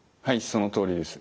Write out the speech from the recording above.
そのとおりです。